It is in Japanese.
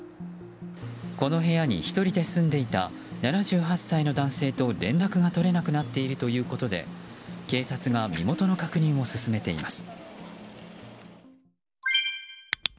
この部屋に１人で住んでいた７８歳の男性と連絡が取れなくなっているということで警察が身元の確認を進めています。